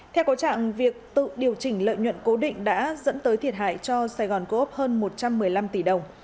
theo có trạng việc tự điều chỉnh lợi nhuận cố định đã dẫn tới thiệt hại cho sài gòn cố úp hơn một trăm một mươi năm tỷ đồng